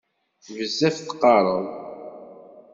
Bezzaf teqqareḍ.